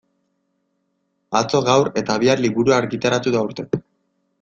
Atzo, gaur eta bihar liburua argitaratu du aurten.